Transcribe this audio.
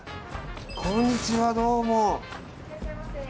こんにちは、どうも。